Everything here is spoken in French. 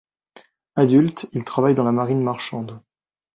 Adulte il travaille dans la marine marchande.